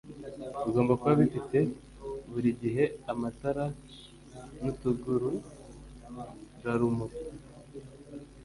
bigomba kuba bifite buri gihe amatara n'utugarurarumuri